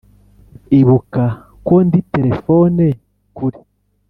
ibuka ko ndi terefone kure,